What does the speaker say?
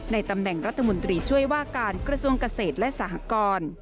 ตำแหน่งรัฐมนตรีช่วยว่าการกระทรวงเกษตรและสหกร